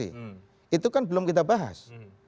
itu kan belum kita bahas